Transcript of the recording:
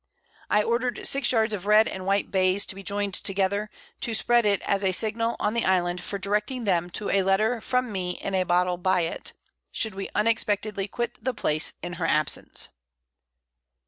I order'd 6 Yards of red and white Bays to be join'd together, to spread it as a Signal on the Island for directing them to a Letter from me in a Bottle by it, should we unexpectedly quit the Place in her Absence.